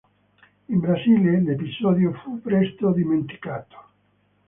In Brasile, l'episodio fu presto dimenticato.